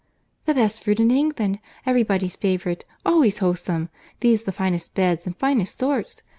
—"The best fruit in England—every body's favourite—always wholesome.—These the finest beds and finest sorts.